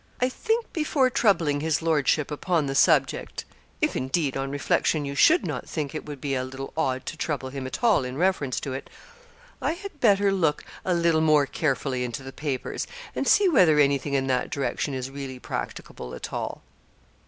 'I think before troubling his lordship upon the subject if, indeed, on reflection, you should not think it would be a little odd to trouble him at all in reference to it I had better look a little more carefully into the papers, and see whether anything in that direction is really practicable at all.'